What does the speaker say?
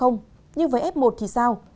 nhưng với f một thì sao